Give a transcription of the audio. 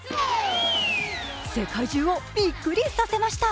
世界中をビックリさせました。